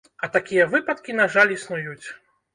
А такія выпадкі, на жаль, існуюць.